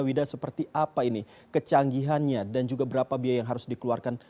wida seperti apa ini kecanggihannya dan juga berapa biaya yang harus dikeluarkan